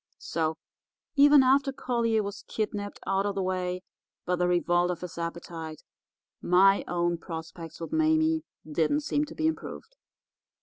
"So, even after Collier was kidnapped out of the way by the revolt of his appetite, my own prospects with Mame didn't seem to be improved.